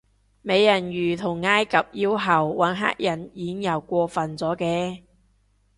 美人魚同埃及妖后搵黑人演又過份咗嘅